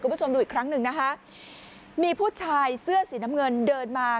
คุณผู้ชมดูอีกครั้งหนึ่งนะคะมีผู้ชายเสื้อสีน้ำเงินเดินมา